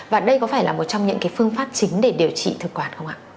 và đây có phải là một trong những phương pháp chính để điều trị thực quản không ạ